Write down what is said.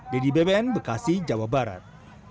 dedy beben bekasi jawa barat